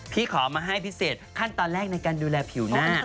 ขอมาให้พิเศษขั้นตอนแรกในการดูแลผิวหน้า